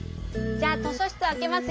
じゃあとしょしつをあけますよ。